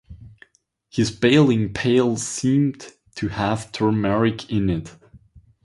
His bailing pail seemed to have turmeric in it.